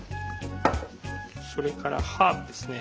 それからハーブですね。